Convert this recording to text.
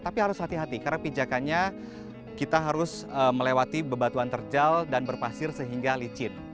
tapi harus hati hati karena pijakannya kita harus melewati bebatuan terjal dan berpasir sehingga licin